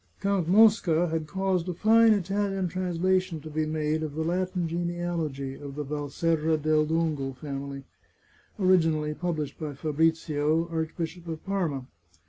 Count Mosca had caused a fine Italian translation to be made of the Latin genealogy of the Valserra del Dongo family, originally published by Fabrizio, Archbishop of Parma.